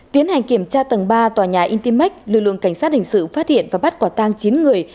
tiến hành kiểm tra tầng ba tòa nhà intimex lưu lượng cảnh sát hình sự phát hiện và bắt quả tăng chín người